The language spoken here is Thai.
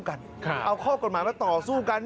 พี่เอามาเป็นสัตว